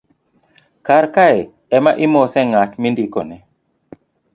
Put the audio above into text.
karkae ema imose ng'at mindikone